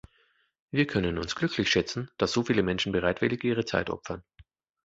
Wir können uns glücklich schätzen, dass so viele Menschen bereitwillig ihre Zeit opfern.